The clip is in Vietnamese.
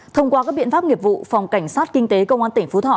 thông qua các biện pháp nghiệp vụ phòng cảnh sát kinh tế công an tỉnh phú thọ